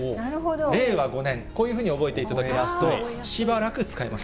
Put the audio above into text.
令和５年、こういうふうに覚えていただきますと、しばらく使えます。